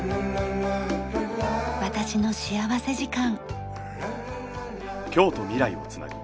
『私の幸福時間』。